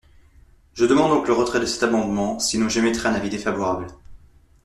Je demande donc le retrait de cet amendement, sinon j’émettrais un avis défavorable.